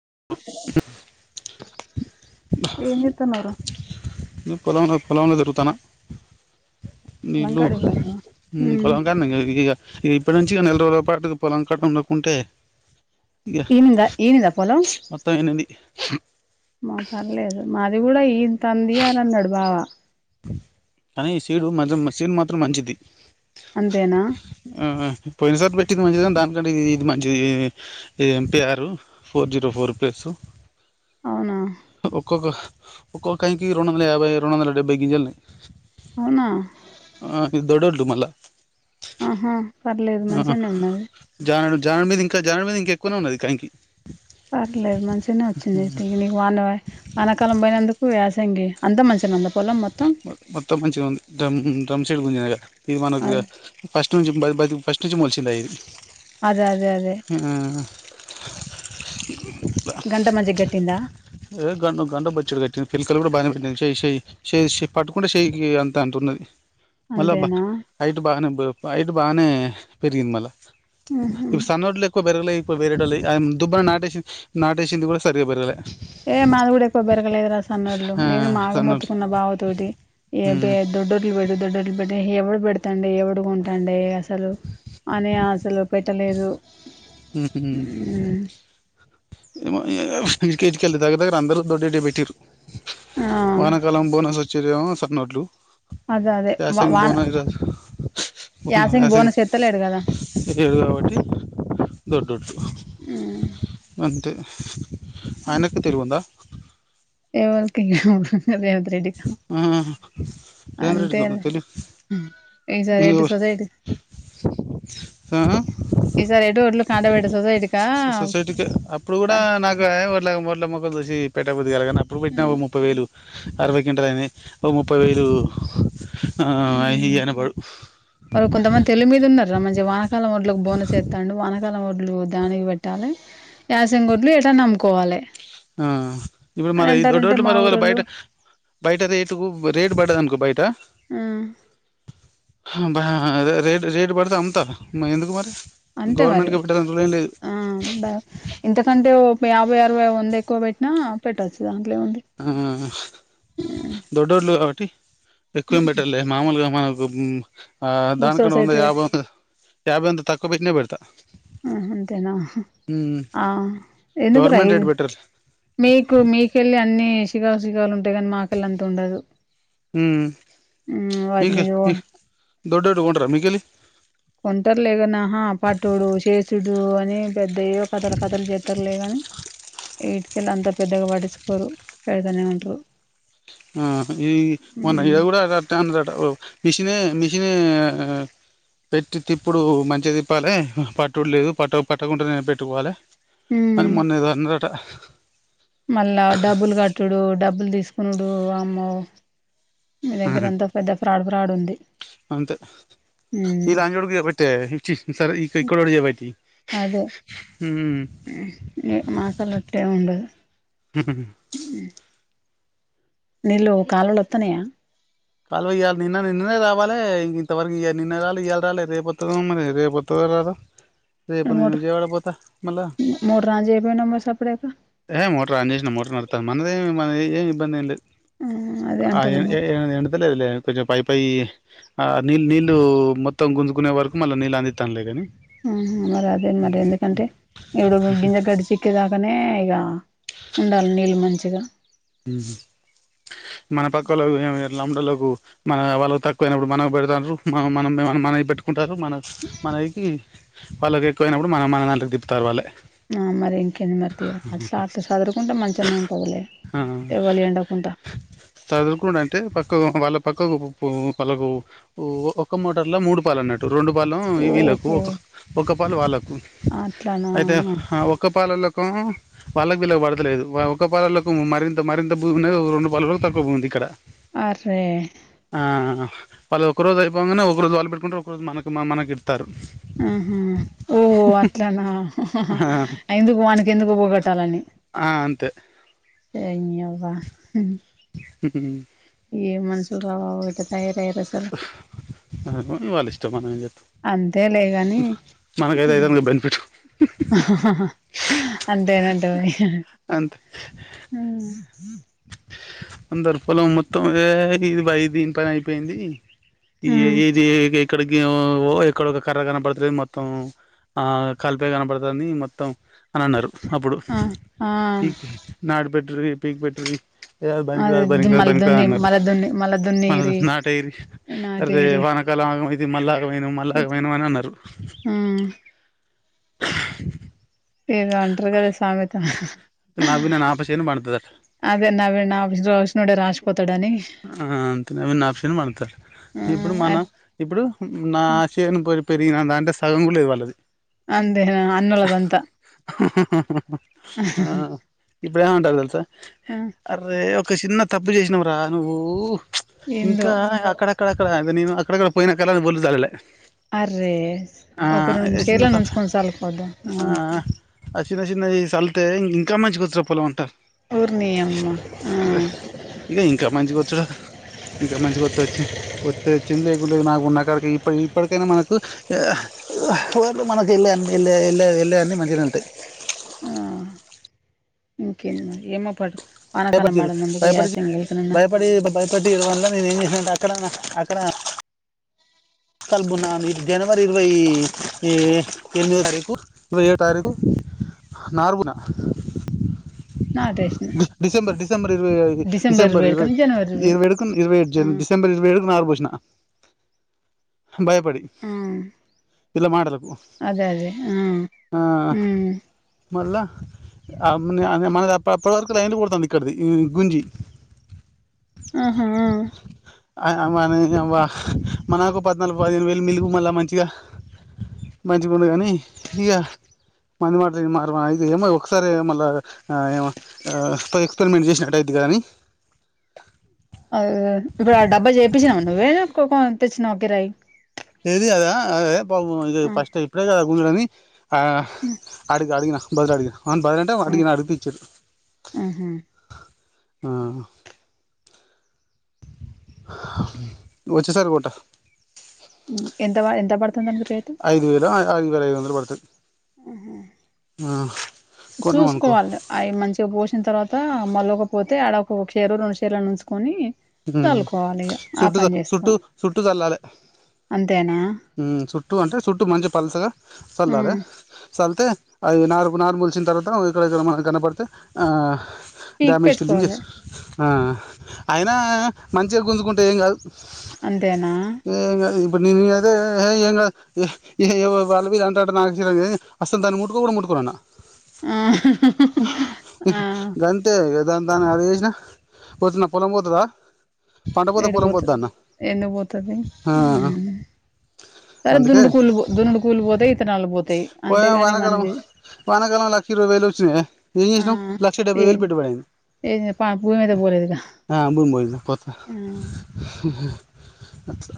[unintelligible] ఏం చేత్తన్నావ్ రా ఈ ఫలంలో పొలంలో తిరుగుతనా నీళ్ళు లంకాడికి పోయినవా మ్మ్ పొలంకాన్నేగ [unintelligible] ఇప్పడ్నుంచి ఇగ నెల రోజుల పాటు పొలం కట్ట వుండకుంటే ఏమిందా హ మా పర్లేదు మాది కూడా ఈంతంది అని అన్నాడు బావ కానీ ఈ సీడు మ సీడ్ మాత్రం మంచిది అంతేనా పోయినసారి పెట్టి ఇది మంచిద దానికంటే ఇ ఇది మంచిది ఎం పఆర్ ఫోర్ జీరో ఫోర్ ప్లస్ అవునా ఒక్కొక్క ఒక్కొక్కైకి రెండు వందల యాభై రెండు వందల డెబ్బై గింజలు అవునా ఆ దొడడు మళ ఆహా పర్లేదు ఆ మంచిగానే ఉన్నది జ జార్మద ఇంకా జాన్ మీద ఇంకక్కువ ఉన్నది ్యాంక్ ూ పర్లేదు మంచిగానే వచ్చింది తి నీకు వాన వానకాలం పోయినందుకు సంగే అంత మంచిగా మొత్తం మంచిగా ఉంది డమ్ రమ్సెడ్గుంజేగా ఇది మనకి అదే ఫస్ట్ నుంచి బతి ఫస్ట్ [inaudible] అదే అదే అదే గంట మంచిగ గట్టిందా ఏ గండ గండ బచ్చాడు కట్టింది పిలకలు కూడా బాగానే పెట్టింది చే చేయి చే పట్టుకుంటే చేయయికి అంత అంటున్నది మళ్ల బా అంతేనా యిటి బాగానే యిటి బాగానే పెరిగింది మళ్ళ ఉహు సన్నా ఓట్లు వెరిఫై ఇప్పు బేరేడ దుబ్బా నాటే నాటేసింది కూడా సరిగా పెరగల ఏ మాది కూడా ఎక్కువ పెరగలేదు రా స అన్నళ్లు ఆ నేను మాగ సన్నోళ్ళు మొత్తుకున్న బావ తతోటి ఏ మ్మ్ దొడ్డర్లు పెట్టి దొడ్డులు పెట్టటి ఎవడు పెడతాండి ఎవడు ఉంటాండి అసలు అని అసలు పెట్టలేదు హ ఇక హికెల్ దగ్గర దగ్గర అందరుూ దొడ్ దొడ్డేరు పెట్టిందురు ఆ వాన కాలము ఇవి ఏమో చిన్న వడ్లు అదే అదే సంగ వాన బన యాసంగి బనసంగ బోనస్ ఎత్తలేడు కదా ఏడుగా ఒకటి దొ అంతే అయనకు తెరుగుందా ఎవళకి అదే అదే హ్మ్ అంతే ఈ సారి ఏంటి సొసైటీ ఈ సార్ ఎటో సో సో సొసైటీకె అప్పుడు కూడా నాకు అయ్ మొట్ల మొఖం చూసి పెట్టపుద్ది కాలే అప్పుడు పెట్టినా ముప్పై వేలు అరవై గేంటలు అయినాయ్ ఓ ముప్పై వేలు ఆయిహనా బాడు వాళ్ళు కొంతమంది తెలివి మీద ఉన్నారురా మంచిగా వనకాలం వడ్లకు బోనస్ ఎస్తాండు వనకాల వడ్లు దానికి పెట్టాలి యాసంగొడ్లు ఎటన్న అమ్ముకోవాలే ఆ ఇప్పుడు మన రోడ్లు మా మరి ఊరోళ్ళు బయట బయట రేటు రేటు పడద అనుకో బయట హ్మ్ రేట్ రేటు పడితే అమ్ముతా ఎందుకు మరి అంతే మరి గవర్నమెంట్కి పెట్టాలని రూల్ ఏం లేదు ఆ ఇంతకంటే యాభై అరవై వంద ఎక్కువ పెట్టినా పెట్టొచ్చుగా ఆ దొడోర్లు కాబట్టి ఎక్కువ ఏం పెట్టలే మామూలుగా మన హ్మ్ ఆ దానికన్నా వంద సొసైటీ రేట్ యాభై యాభై వంద తక్కువ పెట్టిన పడ్ త హ్మ్ హు ఆ అంతేనా ఆ ఎందుకు రై గవర్నమెంట్ రేట్ బెటర్ మీకు మీకెళ్ళి అన్ని షిగాషిగాలు ఉంటాయి కాని మా కళ్ళ అంత ఉండదు హ్మ్ మీక మీ వాటిని [unintelligible] ఓనర్ ఆ మీకెలి కొంటారులే కనాహా పట్టుడు చేసుడు అని పెద్దయ్యో కథల కథలు చెతారులేగాని ఎటికెళ్ళ అంతా పెద్దగా పడించుకోరు పెడతనే ఉంటరు ఆ ఈ మొన్న ఇడా కూడా అటెన్నారు అట మిషినే మీ మిషినే పెట్టి తిప్పుడు మంచిగా తిప్పాలి పట్టుడు లేదు పట్ట పట్టకుండా నేను పెట్టుకోవాలి మ మొన్న ఎదో అన్నారు అట మళ్ళ డబ్బులు కట్టుడు డబ్బులు తీసు ఉనుడు అమ్మో హ్మ్ హు ఉంది అంతే మ్మ్ ఇలా [unintelligible] ఇచ్చి సరే ఈక ఇక్కడోడు చేయబట్టి అదే హ్మ్ మా కళ్ళ అటే ఉండ అ నిల్లు కాలవలు వత్తనయ కాలువ ఇళ నిన్న నిన్ననే రావాలి ఇంతవరకు నిన్న రాలి ఇవళ రాలే రేపువోతదో మరి రేపువోతదో రాదో రేపు నేను మోటర్ విజయవాడ పోత మళ్ళ మోటర్ ఆన్ చేయపోయినవ్ మరి సప్పుడేక ఏ మోటార్ ఆన్ చేసిన మోటర్ న అంతమనదే మనకేం ఏమి ఇబ్బంది ఏం లేదు ఆ అదే ఆ ఏ అంటున్న మరి ఏ ఏ లేదులేదు కొంచెం పై ప ఆ నీళ్ు నీళ్ళలు మొత్తం గుంజుకునే వరకు మళ్ళీ నీళ్ళ అందిస్తాంలేదు కాని మరి అదే మరి ఎందుకంటే ఇప్పుడు గింజ గడిచక్కే దాకానే ఇ ఉండాలి నీళ్ళు మంచిగా మన పక్క లు లండలకు మన వాళ్ళ తక్కువనప్పుడు మనకు పెడతారు మ మనం మన పెట్టుకుంట [unintelligible] అంటారు మన మనకి [unintelligible] మా వాళ్లకు ఎక్కువ అయినప్పుడు మన దానిలోకి తిప్పుతారు వాళ్ళు ఆ మరిం కింద మరిత కదా అట్లా అట్లా చదురుకుంటా మంచిన్న ఉంటుందిలే ఆ ఇవ్వాలి ఎండకుండా వాళ్ల పక్క వాళ్లకు ఒక మోటర్ లో మూడు పాలు ఉన్నది రెండు పాలు వీళ్ళకు ఓహో ఒక ఒక్క పాలు వాళ్ళకు అట్లానా అయితే ఒక్క పాలలో వాళ్ళకి పిల్ల పడతలేదు ఒక పాలలకు మరింత మరింత భూమి ఉది రెండు పాలలకు తక్కువ భూమింది ఇక్కడ ఆ అరే ఆ వాళ్ళు ఒక రోజు అయిపోగానే ఒక రోజు వాళు పెట్టుకుంటారు ఒక రోజు మన మనకి ఇడతారు ఆహా ఓహో అట్లానా ఎందుకు వాన ఎందుకు పోగొట్టాలని ఆ అంతే స [unintelligible] ఏం మనసులో ఇట్ల తయారు వాళ్ళ ఇష్టం అన్న ఏం చేస్తాం అంతే లేగాని మనకైతే అయితే బెనిఫిట్ అంతే [unintelligible] అంటయి అంతే అందరు పొలం మొత్తం ఇదేంది దీని పని అయిపోయింది ఈ మ్ ఏది [unintelligible] ఇక్కడికి ఓ ఎక్కడ ఒక కర్ర కనపడుతుంది మొత్తం ఆ కలిపా కనపడుతుందిని మొత్తం అని అన్నారు అప్పుడు ఆ ఆ పీక్ నాడు పెట్ పీక్ పెట్ అ ఎయారు బనికిద అ అదే బనికి మళ్ళ బనికిద దున్ని అన్నారు మళ్ళ దున్ని మళ్ళ మన దున్నిరి నాట ఇరి అే నాటేరి వానకాలం ఆ ఇది మల్ల ఏమైనవ్ మళ్ళాగమైనవ్ ఆ అని అన్నరు ఏదో అంటరు కదా సామెత నవ్వి నా ఆపచేను పండుతదట అదేన్న [unintelligible] న రాజపతి ఆ అంతే అవి నాప్షన్ పండుతది ఆ ఇప్పుడు మనం ఇప్పుడు నా శేను పెరిగినా నా దాంట్లే సగం కూడా లేదు వాళ్ళది అంతేనా అన్నోలదంతా ఆహ్ ఇప్పుడు ఏమంటాళ్లు తెలుసా ఆ అరే ఒక చిన్న తప్పు చేసినవురా నువ్వూ ఏందో ఇంకా అక్కడ అక్కడ అక్కడ అక్కడ పోయినా కానీ [unintelligible] చల్లలే అరే ఆ ఒక రెండు మూడు చిన్న షేర్లన్న తప్పు ఉంచుకొని సళ్ళుకోవద్దా అంటే ఇంకా మంచిగొచ్చురా పొలం అంటాళ్ళు ఓరినియమ్మ మంచిగొచ్చు కదా ఇంకా మంచిగొత్తే వచ్చి వత్తే వచ్చింది లేకుంటే లేదు నాకున్న కాడికి ఇ ఇప్పటికైనా నాకు వాళ్ళు మనకు ఏల్లేయన్ని వెళ్ళ వెళ్ళే అన్ని మంచిగనే ఉంటయి ఆ ఇంకేంది మరి ఏమో పట్టు భయపట్టిరు భయపడి భయపడి భయపట్టి మళ్ళ నేనేం చేసినా అంటే [unintelligible] అక్కడనా అక్కడ [unintelligible] ఇది జనవరి ఇరవై ఎనిమిదో తారీకు ఇరవై ఏడు తారీఖు నాలుగున నాటేసిన [unintelligible] డిసెంబర్ డిసెబర్ ఇరవై డిసెంబర్ డిసెబర్ ఇరవై వేడుకని జనవరి ఇరవై ఏడు ఇరవై జ ఆ డిసెంబర్ ఇరవై ఏడుకు నారు పోసినా భయపడి ఆ వీళ్ళ మాటలకు అదే అదే ఆ ఆ, హ మళ్ళా మనది అప్ప అప్పటి వరకు లైన్లు కొడుతుంది ఇక్కడిది గుంజి ఆహా ఆ మనది నీ యవ్వ మా నాకు పద్నాలుగు పదిహేను వేలు మిలుగు మళ్ళ మంచిగా మంచిగా ఉండు కానీ ఇక మంది మాటలు విని ఏమో ఒకసారి మళ్ళా ఏమో ఎక్స్పెరిమెంట్ చేసినట్టు అయింది కని అ తెచ్చినవ కిరాయి ఏది కాదా అదే ఇ ఆ ఫస్ట్ ఇప్పుడే కదా గుంజుడని అడిగి అడిగినా బదులు అడిగిన బదులు అడిగినా అంటే ఆ అడిగిన అడిగిపిచ్చిళ్ళు ఆహా ఆ వచ్చేసారీ కొంటా ఎంత ఎంత బడుతంది ఐదు వేల ఐదు వేల ఐదు వందల పడుతది ఆహా ఆహా చూసుకోవాలి అవి మంచిగా పోసిన తర్వాత అ మళ్లకపోతే ఆలా ఒక చషీరు రెండు షీరలు చూసుకొని హు చుట్టు చుట్ చుట్టు చల్లాలి అంతేనా చుట్టూ అంటే చుట్టూ మంచి పలసగా ఆ చల్లాలి చలితే అది నాలుగు నాలు ములిసిన తర్వాత ఇక్కడ ఇక్కడ మనం కనపడితే ఆ పీకి డమేజ్ త దనిజ పెట్టుకోవాలి ఆ ఆ అయినా మంచిగా గుంజుకుంటే ఏం కాదు అంతేనా నిన్నది [unintelligible] నేను అదే ఏం ఏ వాళ్ళవి అంటాట నాకు అసలు దాన్ని ముట్టుకో కూడా ముట్టుకున్నాన్న ఆ ఆ గంతే దా దాన్ని అది చేసిన పోతున్న పొలం పో దా ఏడిపోతు ఎందు పోతుది ఆ హు సరే అందుకే దున్నడు కూలు పో దునుడు కూళ్లు పోతా ఇతనాలు పోతాయి పోయిన అంతేగాని వానకాలం మన వానకాలం లక్ష ఇరవై వేలు వచ్చినాయి ఏం ఆ చేసినాం లక్ష డెబ్బై వేలు ఏం పెట్టుబడి అయింది ఏం భూమి మీద పోలేదుగా మయ [unintelligible] పత ఆ అట్లా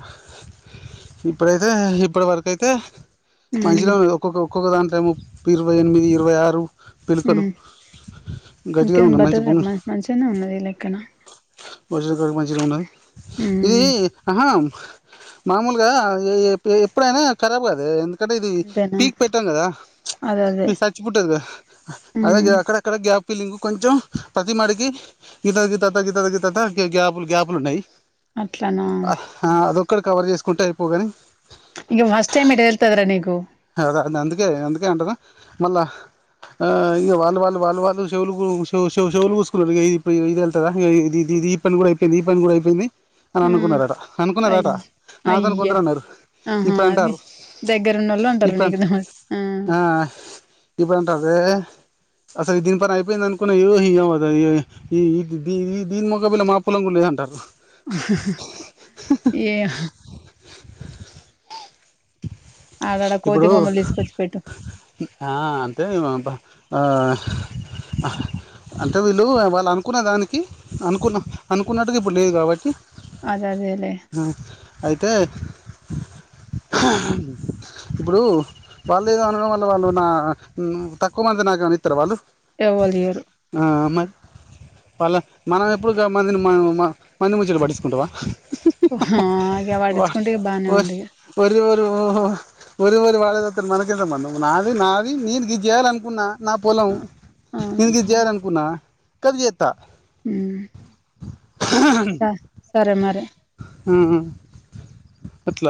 ఇప్పుడైతే ఇప్పటి వరకు అయితే ఉమ్ మంచిలో ఒక్కొక్క ఒక్కొక్క దాని టైము ఇరవై ఎనిమిది ఇరవై ఆరు హు పిలుకలు గట్టిగానే ఇంక ఉన్నాయి మంచి బటర్ మ మంచిగానే ఉన్నదిలెక్కన వజ గ [unintelligible] మంచి ర ఉన్నాయి ఇది ఉమ్ ఆహా మామూలుగా ఎప్పుడైనా కరాబు కాదు ఎందు అక్కడ ఇది అంతేనా పీక్ పెట్టాం కదా అదే ప అదే చచ్చి పుట్టది కదా అదే ఉమ్ అక్కడక్కడ గ్యాప్ పిల్లింగ కొంచెం ప్రతి మాడికి ఇలా క త కి త గఞపులు [unintelligible] గ్యాపులు గ్యాపులు ఉన్నాయి అట్లనా ఇక్కడ కవర్ చేసుకుంటే అయిపోగాని ఇం ఫస్ట్ టైమ్ ఇట్ హళ్తదరా నీకు ద అ అందుకే అందుకే అంటారు మళ్ళ ఇక వాళ్ళ వాళ్ళు వాళ్ళు వాళ్ళు చెవులు చెవులు కూసుకు ఇ ఇది వెళ్తదా ఇది ఇది ఈ పని కూడా అయిపోయింది ఈ పని కూడా అయిపోయింది అని ఆ అనుకున్నారట అయ్ అనుకున్నారట నాతోని అయ్యా కొందరు అన్నారు ఆహా ఇప్పుడు అది అంటారు దగ్గరున్నోళ్ళు అంటారు ఇప్ప అంత నీకు ఆ ఇప్పుని అంటారు అసలు దీని పని అయిపోయింది అనుకున్నా దీని మఖ పిల్ళ మా పొలం ఉండేది అంటారు ఏ ఆడాడ కోతి ఇప్పుడు బొమ్మలు తీసుకొచ్చి పెట్టు ఆ అంటే ఆ అంటే వీళ్ళు వాళ్ళు అనుకున్న దానికి అనుకున్న అనుకున్నట్టుగా ఇప్పుడు లేదు కాబట్టి అదే అదేలే హ అయితే ఇప్పుడు వాళ్ళు ఏదో అనడం వల్ల వాళ్ళు నా తక్కువ మంది నాకు మిత్ర వాళ్ళు ఎవలిరు ఆ, మరి వాళ్ళ మనం ఎప్పుడుగా మందిని మనం మంది ముంచి పడించకుంటావా హ్మ్ గ వట్టిచుకుంటే బాగానే ఉం ఓహో వరి వరి వాళ్డేదిస్తడు మనకిెంత మనం నాది నాది నేను గిది చేయాల అనుకున్నా నా పొలం అవును నిన్ గిద్ చేయాలనుకున్నా కది చె స సరే మరి మ్హ్ అట్ల